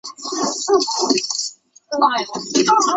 妳为什呢要跟他乱说话